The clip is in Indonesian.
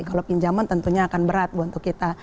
kalau pinjaman tentunya akan berat untuk kita